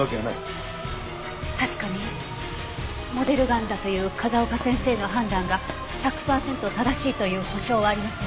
確かにモデルガンだという風丘先生の判断が１００パーセント正しいという保証はありません。